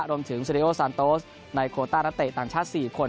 รวมถึงซูเรโอซานโตส์ในโคต้านัตเตะต่างชาติ๔คน